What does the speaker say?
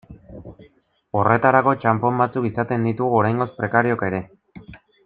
Horretarako txanpon batzuk izaten ditugu oraingoz prekariook ere.